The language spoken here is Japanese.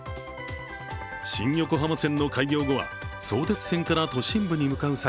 新横浜線の開業後は相鉄線から都心部に向かう際